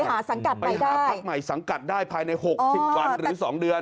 หาสังกัดไปได้พักใหม่สังกัดได้ภายใน๖๐วันหรือ๒เดือน